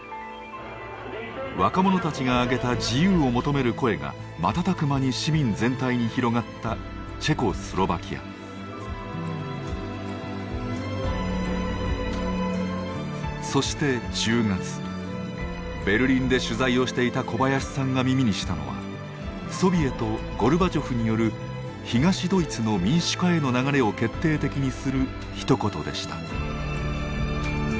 若者たちが上げた自由を求める声が瞬く間に市民全体に広がったそして１０月ベルリンで取材をしていた小林さんが耳にしたのはソビエトゴルバチョフによる東ドイツの民主化への流れを決定的にするひと言でした。